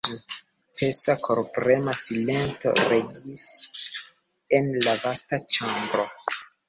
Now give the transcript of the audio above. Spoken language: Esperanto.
Pesa, korprema silento regis en la vasta ĉambro.